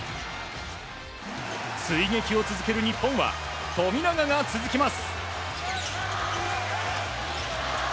追撃を続ける日本は富永が続きます。